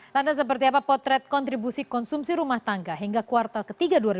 lantas seperti apa potret kontribusi konsumsi rumah tangga hingga kuartal ke tiga dua ribu dua puluh